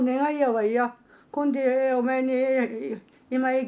「はい」